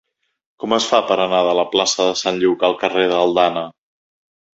Com es fa per anar de la plaça de Sant Lluc al carrer d'Aldana?